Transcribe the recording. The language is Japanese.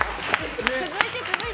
続いて、続いて！